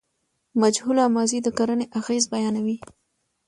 مجهوله ماضي د کړني اغېز بیانوي.